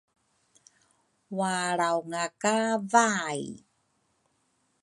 Walrawnga ka vai